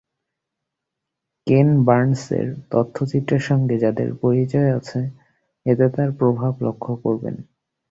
কেন বার্নসের তথ্যচিত্রের সঙ্গে যাদের পরিচয় আছে, এতে তাঁর প্রভাব লক্ষ করবেন।